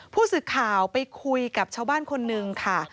ผู้สื่อข่าวไปคุยกับชาวบ้านคนนึงค่ะ